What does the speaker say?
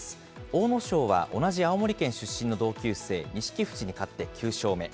阿武咲は同じ青森県出身の同級生、錦富士に勝って９勝目。